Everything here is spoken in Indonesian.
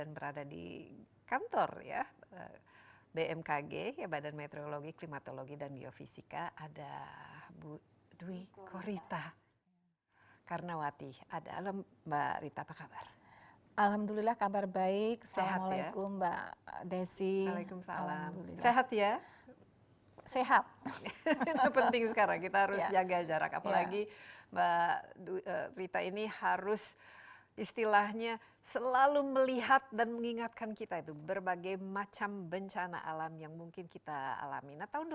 berarti ya saat inilah